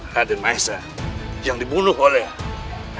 raden maisa yang dibunuh oleh